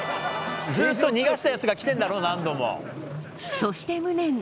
ずっと逃がしたやつが来てんだろ何度も。